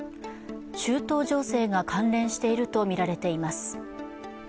中東情勢が関連しているとみられています。